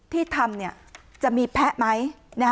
ที่ทำจะมีแพ้ไหม